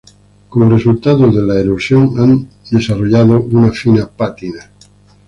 Como resultado de la erosión, han desarrollado una fina pátina.